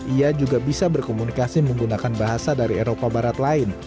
ia juga bisa berkomunikasi menggunakan bahasa dari eropa barat lain